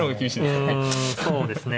そうですね。